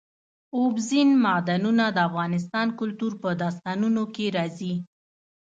اوبزین معدنونه د افغان کلتور په داستانونو کې راځي.